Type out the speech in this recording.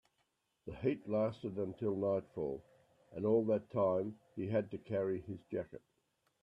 The heat lasted until nightfall, and all that time he had to carry his jacket.